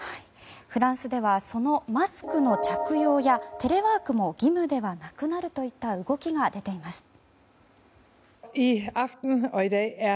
フランスではそのマスクの着用やテレワークも義務ではなくなるといった動きが出ています。